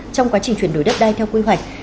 trong quá trình chuyển đổi đất đai theo quy hoạch